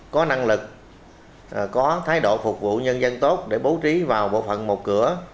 có năng lực có thái độ phục vụ nhân dân tốt để bố trí vào bộ phận một cửa